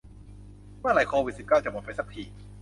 เมื่อไหร่โควิดสิบเก้าจะหมดไปสักที